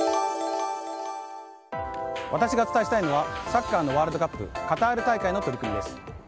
私がお伝えしたいのはサッカーのワールドカップカタール大会の取り組みです。